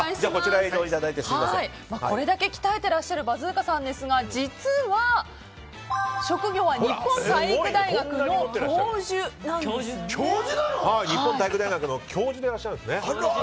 これだけ鍛えていらっしゃるバズーカさんですが実は、職業は日本体育大学の教授なんですね。